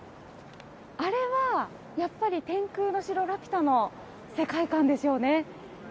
あれは、やっぱり天空の城ラピュタの世界観ですよね。